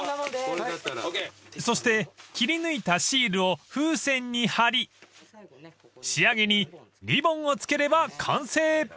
［そして切り抜いたシールを風船に貼り仕上げにリボンを付ければ完成］